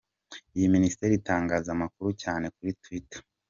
Iyi Minisiteri itangaza amakuru cyane kuri Twitter.